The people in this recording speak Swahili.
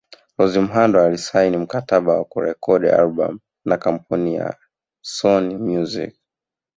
Rose Muhando alisaini mkataba wa kurekodi albam na kampuni la Sony Music